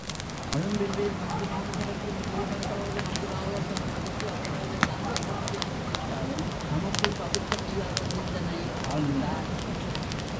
அழும்பில்வேள் வஞ்சிமாநகரத்தின் முதியவர்களோடு மந்திராலோசனை முடித்து அவர்களை எல்லாம் விடைகொடுத்து அனுப்பி விட்டாலும் தமக்குள் தவிர்க்கமுடியாத சிந்தனையில் ஆழ்ந்தார்.